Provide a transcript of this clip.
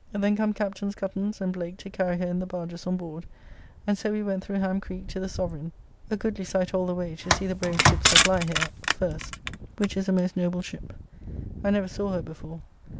Then come Captains Cuttance and Blake to carry her in the barge on board; and so we went through Ham Creeke to the Soverayne (a goodly sight all the way to see the brave ships that lie here) first, which is a most noble ship. I never saw her before.